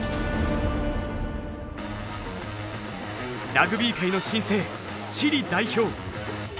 ラグビー界の新星チリ代表。